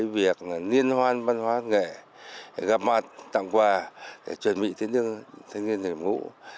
việc liên hoan văn hóa nghệ gặp mặt tặng quà chuẩn bị cho những thân nhân nhập ngũ